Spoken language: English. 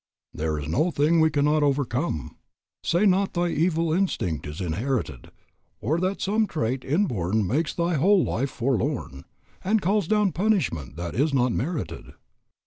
"There is no thing we cannot overcome; Say not thy evil instinct is inherited, Or that some trait inborn makes thy whole life forlorn, And calls down punishment that is not merited.